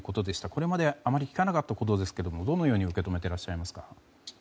これまであまり聞かなかったことですがどのように受け止めていますか？